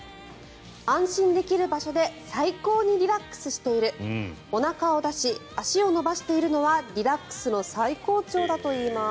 安心できる場所で最高にリラックスしているおなかを出し足を伸ばしているのはリラックスの最高潮だといいます。